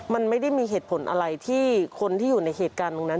มันไม่ได้มีเหตุผลอะไรที่คนที่อยู่ในเหตุการณ์ตรงนั้น